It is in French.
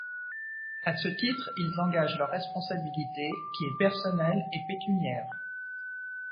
À ce titre, ils engagent leur responsabilité, qui est personnelle et pécuniaire.